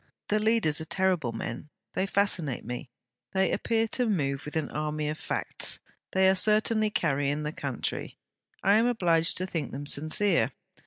The leaders are terrible men; they fascinate me. They appear to move with an army of facts. They are certainly carrying the country. I am obliged to think them sincere.